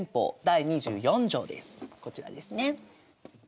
こちらですね。